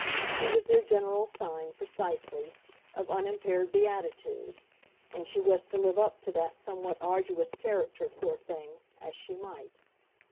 She was their general sign, precisely, of unimpaired beatitude and she was to live up to that somewhat arduous character, poor thing, as she might.